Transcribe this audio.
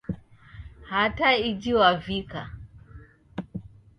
Hata iji Wavika